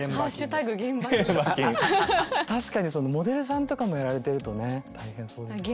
確かにモデルさんとかもやられてるとね大変そうですね。